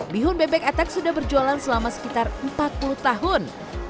bihun bebek atak sudah berjualan selama sekitar empat puluh tahun